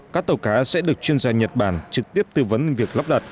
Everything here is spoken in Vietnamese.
các tàu cá sẽ được chuyên gia nhật bản trực tiếp tư vấn việc lắp đặt